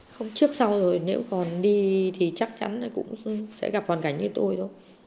không trước sau rồi nếu còn đi thì chắc chắn cũng sẽ gặp hoàn cảnh như tôi thôi